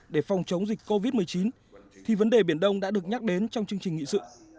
để phòng chống dịch covid một mươi chín thì vấn đề biển đông đã được nhắc đến trong chương trình nghị sự